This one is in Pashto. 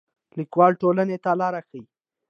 لیکوال ټولنې ته لار ښيي